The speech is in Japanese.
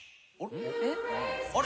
あれ？